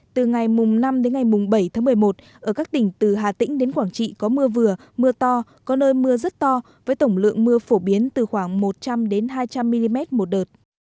từ ngày năm đến ngày bảy tháng một mươi một ở các tỉnh từ hà tĩnh đến quảng trị có mưa vừa mưa to có nơi mưa rất to với tổng lượng mưa phổ biến từ khoảng một trăm linh hai trăm linh mm một đợt